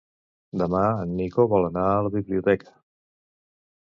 Demà en Nico vol anar a la biblioteca.